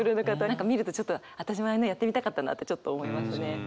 何か見るとちょっと私もあんなんやってみたかったなってちょっと思いますね。